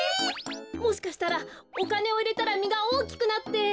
もしかしたらおかねをいれたらみがおおきくなって。